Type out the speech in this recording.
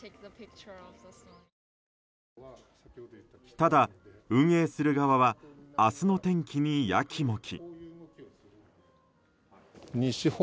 ただ、運営する側は明日の天気にやきもき。